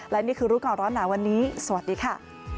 และนี่คือรู้ก่อนร้อนหนาวันนี้สวัสดีค่ะ